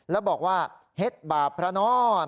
แล้วบอกว่าเฮ็ดบาปพระนอน